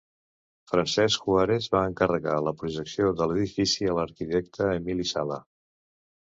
Francesc Jaurés va encarregar la projecció de l'edifici a l'arquitecte Emili Sala.